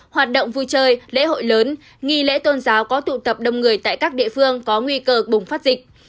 hoạt động vui chơi lễ hội lớn nghi lễ tôn giáo có tụ tập đông người tại các địa phương có nguy cơ bùng phát dịch